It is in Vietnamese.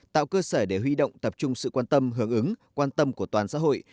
tạo cơ sở để huy động tập trung sự quan tâm hưởng ứng quan tâm của toàn xã hội